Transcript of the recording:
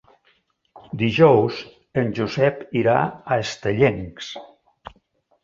Dilluns en Josep irà a Estellencs.